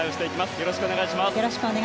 よろしくお願いします。